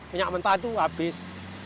minyak mentah itu habis